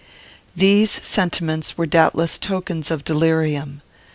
These sentiments were doubtless tokens of delirium.